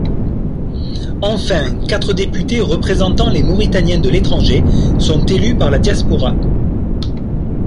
Enfin, quatre députés représentants les Mauritaniens de l’étranger sont élus par la diaspora.